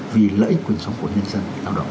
vì lợi ích quyền sống của nhân dân